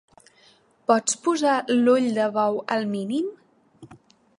Pots posar l'ull de bou al mínim?